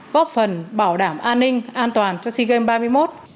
góp phần bảo đảm an ninh an toàn cho sea games ba mươi một